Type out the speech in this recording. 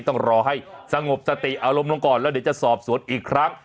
ต้องรอให้สงบสติอารมณ์ลงก่อนแล้วเดี๋ยวจะสอบสวนอีกครั้ง